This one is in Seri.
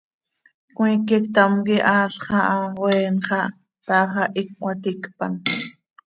Cmiique ctam quih aal xaha oeen xah, taax ah iicp cömaticpan.